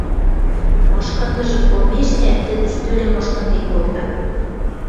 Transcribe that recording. Мышкындыжым кормежтӓӓт, тӹдӹ стӧлӹм мышкынден колта.